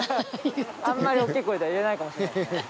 あんまり大きい声では言えないかもしれないですね。